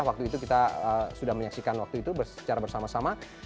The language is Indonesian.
waktu itu kita sudah menyaksikan waktu itu secara bersama sama